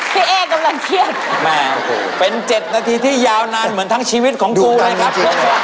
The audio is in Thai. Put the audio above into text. พี่เอ๊ะกำลังเทียดเป็นเจ็ดนาทีที่ยาวนานเหมือนทั้งชีวิตของกูนะครับ